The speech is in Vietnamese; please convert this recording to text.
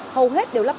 hầu hết đều lắp thân